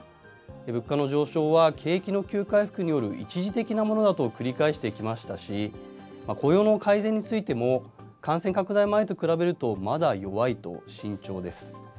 物価の上昇は景気の急回復による一時的なものだと繰り返してきましたし、雇用の改善についても、感染拡大前と比べると、まだ弱いと慎重です。